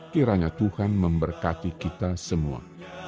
kiranya tuhan memberkati kita semua